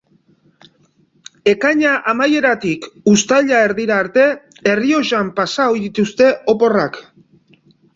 Ekaina amaieratik Uztaila erdira arte Errioxan pasa ohi dituzte oporrak.